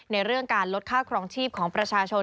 ในเรื่องการลดค่าครองชีพของประชาชน